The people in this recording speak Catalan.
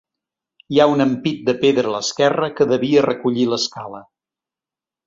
Hi ha un ampit de pedra a l'esquerra que devia recollir l'escala.